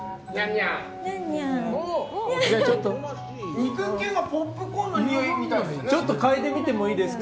肉球がポップコーンのにおいみたいですね。